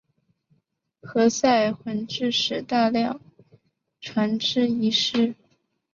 何塞还致使大量船只遗失。